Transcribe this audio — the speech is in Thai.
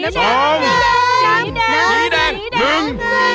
สีแดง